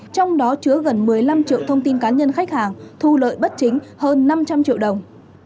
trong đó chứa gần một mươi năm triệu thông tin cá nhân khách hàng thu lợi bất chính hơn năm trăm linh triệu đồng